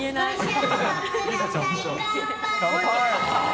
乾杯！